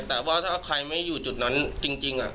แต่ว่าถ้าใครไม่อยู่จุดนั้นจริง